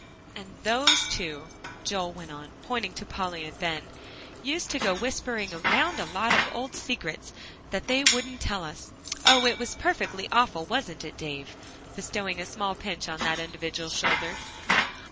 "And those two," Joel went on, pointing to Polly and Ben, "used to go whispering around a lot of old secrets, that they wouldn't tell us. Oh! it was perfectly awful, wasn't it, Dave?" bestowing a small pinch on that individual's shoulder.